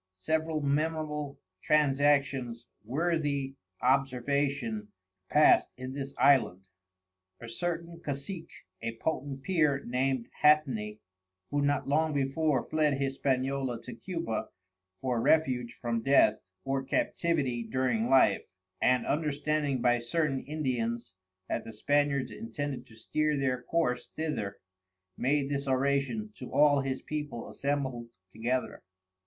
Several memorable Transactions worthy observation, passed in this Island. A certain Cacic a potent Peer, named Hathney, who not long before fled Hispaniola to Cuba for Refuge from Death, or Captivity during Life; and understanding by certain Indians that the Spaniards intended to steer their course thither, made this Oration to all his People Assembled together.